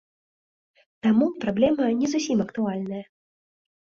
Таму праблема не зусім актуальная.